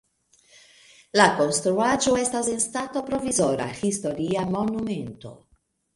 La konstruaĵo estas en stato provizora historia monumento.